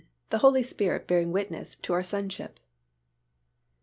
THE HOLY SPIRIT BEARING WITNESS TO OUR SONSHIP.